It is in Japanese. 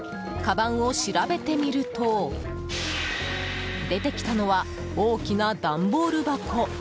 かばんを調べてみると出てきたのは大きな段ボール箱。